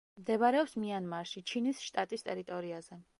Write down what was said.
მდებარეობს მიანმარში, ჩინის შტატის ტერიტორიაზე.